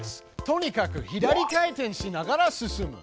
とにかく左回転しながら進む。